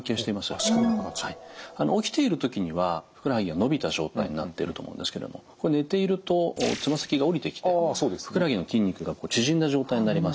起きている時にはふくらはぎが伸びた状態になってると思うんですけども寝ていると爪先が下りてきてふくらはぎの筋肉が縮んだ状態になります。